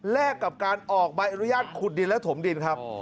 กับการออกใบอนุญาตขุดดินและถมดินครับ